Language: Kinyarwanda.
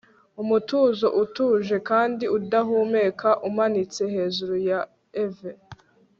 Umutuzo utuje kandi udahumeka umanitse hejuru ya eve